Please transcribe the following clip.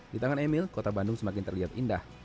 di tangan emil kota bandung semakin terlihat indah